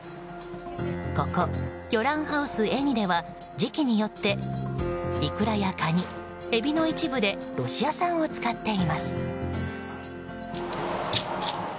ここ魚卵ハウスＥｎｉでは時期によってイクラやカニ、エビの一部でロシア産を使っています。